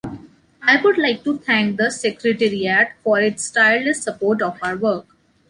I would like to thank the secretariat for its tireless support of our work.